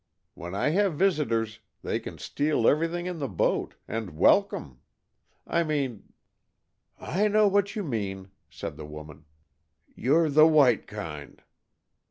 When I have visitors they can steal everything in the boat, and welcome. I mean " "I know what you mean," said the woman. "You 're the white kind."